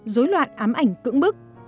dối loạn ám ảnh cững bức